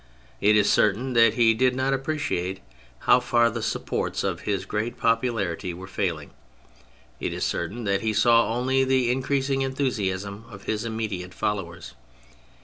It is certain that he did not appreciate how far the supports of his great popularity were failing. It is certain that he saw only the increasing enthusiasm of his immediate followers.